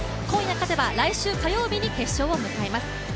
今夜勝てば来週、火曜日に決勝を迎えます。